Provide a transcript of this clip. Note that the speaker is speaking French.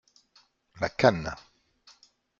La cane.